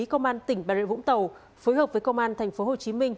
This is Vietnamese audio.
công an tỉnh bà rịa vũng tàu phối hợp với công an thành phố hồ chí minh